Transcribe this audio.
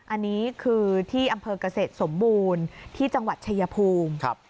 อันนี้คือที่อำเภอกเกษตรสมบูรณ์ที่จังหวัดชายภูมิ